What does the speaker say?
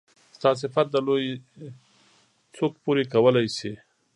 ستا صفت د لويي څوک پوره کولی شي.